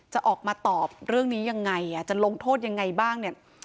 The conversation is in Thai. จะออกมาตอบเรื่องนี้ยังไงจะลงโทษยังไงบ้างเนี่ย